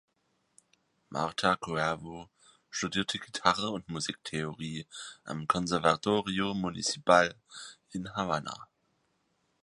Marta Cuervo studierte Gitarre und Musiktheorie am "Conservatorio Municipal" in Havanna.